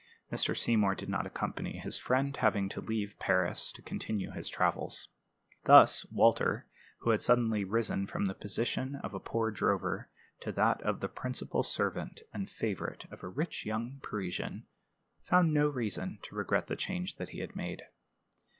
Mr. Seymour did not accompany his friend, having to leave Paris to continue his travels. Thus Walter, who had suddenly risen from the position of a poor drover to that of the principal servant and favorite of a rich young Parisian, found no reason to regret the change that he had made.